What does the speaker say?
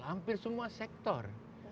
hampir semua sektor